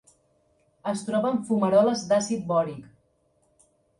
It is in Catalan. Es troba en fumaroles d'àcid bòric.